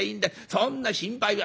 そんな心配は」。